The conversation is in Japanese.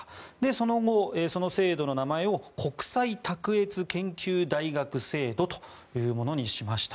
その後、その制度の名前を国際卓越研究大学制度というものにしました。